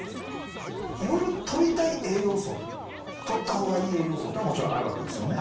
夜とりたい栄養素とった方がいい栄養素というのはもちろんあるわけですよね。